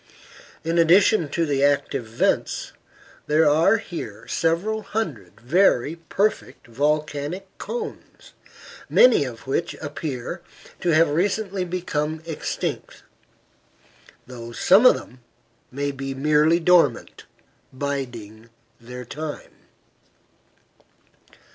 In addition to the active vents, there are here several hundred very perfect volcanic cones, many of which appear to have recently become extinct, though some of them may be merely dormant, biding their time.